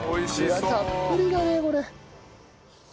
具がたっぷりだねこれ。